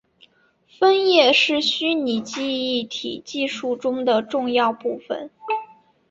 分页是虚拟记忆体技术中的重要部份。